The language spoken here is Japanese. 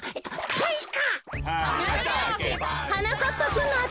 かいか！